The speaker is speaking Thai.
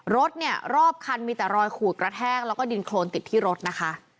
รถเนี่ยรอบคันมีแต่รอยขูดกระแทกแล้วก็ดินโครนติดที่รถนะคะ